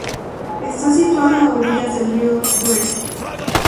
Está situado a orillas del río Duero.